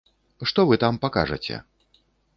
Што вы там пакажаце?